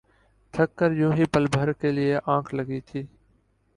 تھک کر یوں ہی پل بھر کے لیے آنکھ لگی تھی